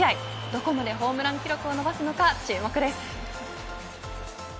どこまでホームラン記録を伸ばすのか注目です。